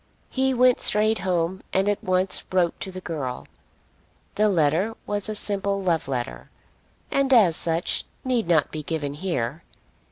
He went straight home and at once wrote to the girl. The letter was a simple love letter, and as such need not be given here.